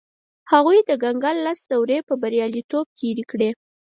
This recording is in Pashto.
هغوی د کنګل لس دورې په بریالیتوب تېرې کړې.